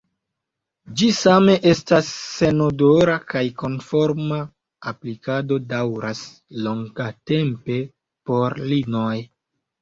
Ĝi same estas senodora kaj konforma aplikado daŭras longatempe por lignoj.